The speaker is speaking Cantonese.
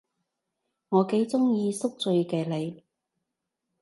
我幾鍾意宿醉嘅你